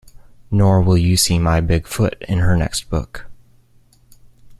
Nor will you see my big foot in her next book.